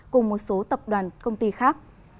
cùng một số tập đoàn công ty khác